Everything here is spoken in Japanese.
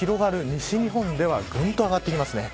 西日本ではぐんと上がってきます。